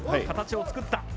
形を作った。